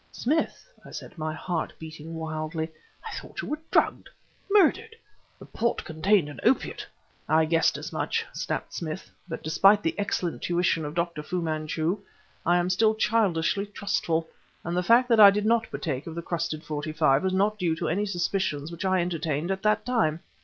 "Smith," I said, my heart beating wildly, "I thought you were drugged murdered. The port contained an opiate." "I guessed as much!" snapped Smith. "But despite the excellent tuition of Dr. Fu Manchu, I am still childishly trustful; and the fact that I did not partake of the crusted '45 was not due to any suspicions which I entertained at that time."